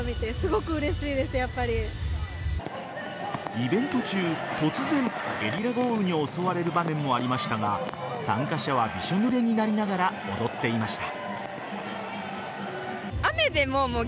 イベント中、突然ゲリラ豪雨に襲われる場面もありましたが参加者はびしょぬれになりながら踊っていました。